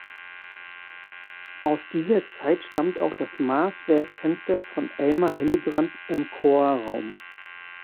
Aus dieser Zeit stammt auch das Maßwerkfenster von Elmar Hillebrand im Chorraum.